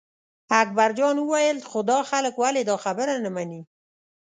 اکبرجان وویل خو دا خلک ولې دا خبره نه مني.